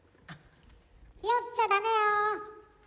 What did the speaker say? ひよっちゃダメよ。